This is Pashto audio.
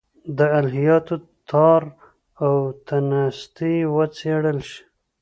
د الهیاتو تار و تنستې وڅېړل شي.